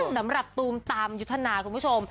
สำหรับตูบตามยุทธนาคุณผู้ชม